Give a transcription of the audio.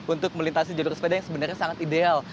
untuk melintasi jalur sepeda yang sebenarnya sangat ideal